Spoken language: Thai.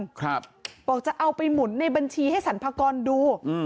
บอกว่าจะเอาไปหมุนในบัญชีให้สรรพากรดู